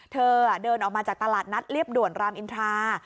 เธอเดินออกมาจากตลาดนัดเรียบด่วนรามอินทรา